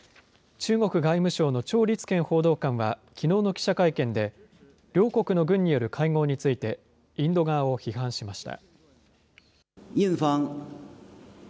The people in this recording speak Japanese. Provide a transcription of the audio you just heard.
中国外務省の趙立堅報道官は、きのうの記者会見で、両国の軍による会合について、インド側を批判しました。